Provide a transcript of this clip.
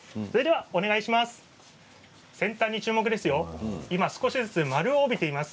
お願いします。